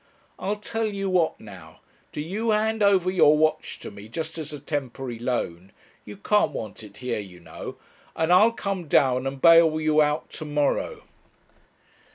I'll tell you what, now do you hand over your watch to me, just as a temporary loan you can't want it here, you know; and I'll come down and bail you out to morrow.'